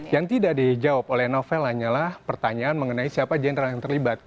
yang tidak dijawab oleh novel hanyalah pertanyaan mengenai siapa jenderal yang terlibat